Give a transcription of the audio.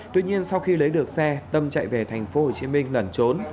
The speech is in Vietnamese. tuy nhiên sau khi lấy được xe tâm chạy về thành phố hồ chí minh lẩn trốn